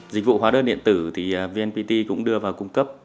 dịch vụ hóa đơn điện tử thì vnpt cũng đưa vào cung cấp từ đầu năm hai nghìn một mươi hai